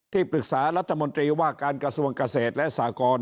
ปรึกษารัฐมนตรีว่าการกระทรวงเกษตรและสากร